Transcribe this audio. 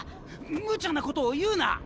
むちゃなことを言うな！